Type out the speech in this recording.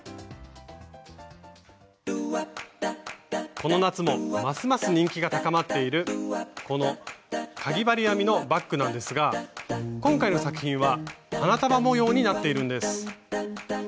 この夏もますます人気が高まっているこのかぎ針編みのバッグなんですが今回の作品は花束模様になっているんです。